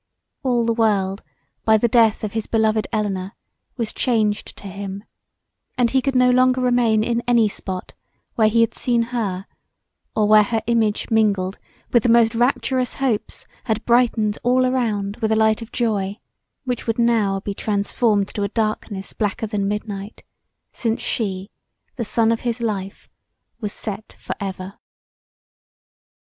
All the world, by the death of his beloved Elinor, was changed to him, and he could no longer remain in any spot where he had seen her or where her image mingled with the most rapturous hopes had brightened all around with a light of joy which would now be transformed to a darkness blacker than midnight since she, the sun of his life, was set for ever.